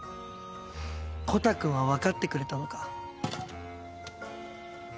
コタくんは分かってくれたのか。